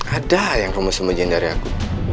ada yang kamu sembunyiin dari aku